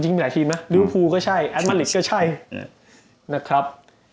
จริงมีหลายทีมนะริวภูก็ใช่แอดมาลิสก็ใช่นะครับ